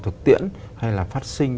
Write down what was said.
thực tiễn hay là phát sinh